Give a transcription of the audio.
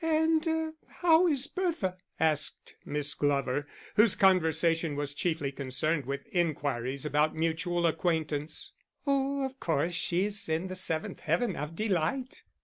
"And how is Bertha?" asked Miss Glover, whose conversation was chiefly concerned with inquiries about mutual acquaintance. "Oh, of course, she's in the seventh heaven of delight."